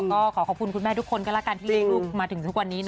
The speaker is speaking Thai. ก็ขอขอบคุณคุณแม่ทุกคนก็แล้วกันที่เลี้ยงลูกมาถึงทุกวันนี้นะ